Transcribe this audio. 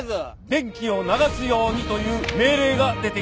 電気を流すようにという命令が出ています。